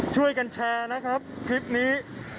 ช่วยกันแชร์นะครับคลิปนี้